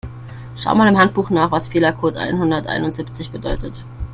Schau mal im Handbuch nach, was Fehlercode einhunderteinundsiebzig bedeutet.